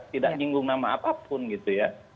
tidak nyinggung nama apapun gitu ya